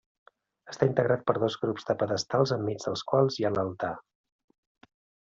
Està integrat per dos grups de pedestals enmig dels quals hi ha l'altar.